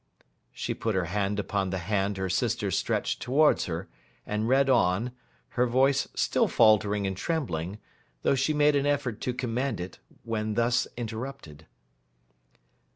She put her hand upon the hand her sister stretched towards her, and read on; her voice still faltering and trembling, though she made an effort to command it when thus interrupted.